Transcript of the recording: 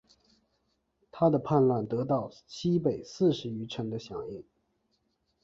他的叛乱得到西北四十余城的响应。